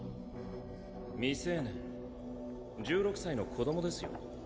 未成年１６歳の子どもですよ。